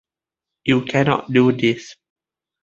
You cannot do this.